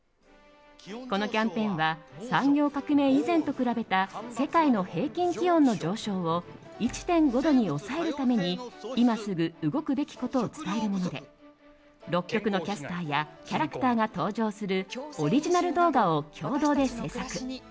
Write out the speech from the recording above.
このキャンペーンは産業革命以前と比べた世界の平均気温の上昇を１．５度に抑えるために今すぐ動くべきことを伝えるもので６局のキャスターやキャラクターが登場するオリジナル動画を共同で制作。